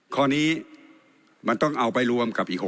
ข้อนี้มันต้องเอาไปรวมกับอีก๖๐